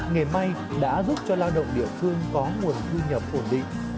nghề may đã giúp cho lao động địa phương có nguồn thu nhập ổn định